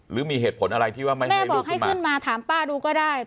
หรือมีเหตุผลอะไรที่ว่าไม่ให้ลูกขึ้นมาแม่บอกให้ขึ้นมาถามป้าดูก็ได้